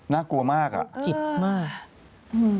น่ากลัวมากเลยนะครับจิตมากเออ